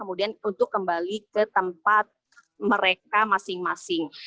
kemudian untuk kembali ke tempat mereka masing masing